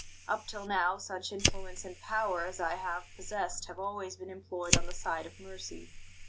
Up till now such influence and power as I have possessed have always been employed on the side of mercy.